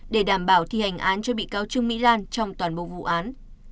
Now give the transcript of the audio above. để đảm bảo thi hành án cho bị cáo trương mỹ lan trong toàn bộ vụ án